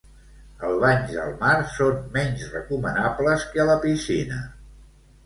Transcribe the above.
Els banys al mar són menys recomanables que a la piscina.